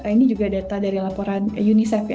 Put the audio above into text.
ini juga data dari laporan unicef ya